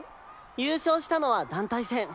優勝したのは団体戦。